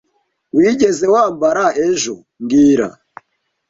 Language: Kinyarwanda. wigeze wambara ejo mbwira